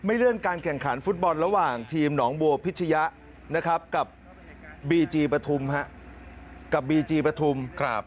เลื่อนการแข่งขันฟุตบอลระหว่างทีมหนองบัวพิชยะนะครับกับบีจีปฐุมกับบีจีปฐุม